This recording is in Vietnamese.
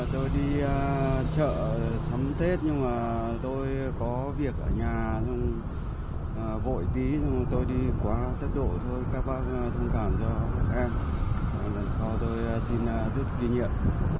tôi đi chợ sắm tết nhưng mà tôi có việc ở nhà vội tí tôi đi quá tốc độ thôi các bác thông cảm cho em lần sau tôi xin giúp kỷ niệm